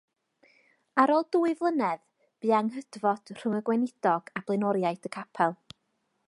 Ar ôl dwy flynedd bu anghydfod rhwng y gweinidog a blaenoriaid y capel.